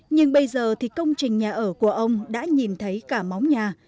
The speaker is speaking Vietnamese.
nhưng bây giờ thì công trình nhà ở của ông đã nhìn thấy cả móng nhà